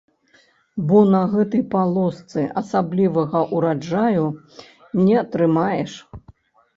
Бо на гэтай палосцы асаблівага ўраджаю не атрымаеш.